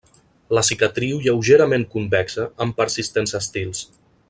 La cicatriu lleugerament convexa, amb persistents estils.